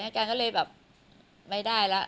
แกก็เลยแบบไม่ได้แล้ว